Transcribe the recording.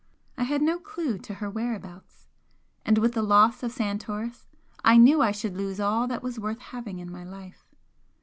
I had no clue to her whereabouts and with the loss of Santoris I knew I should lose all that was worth having in my life.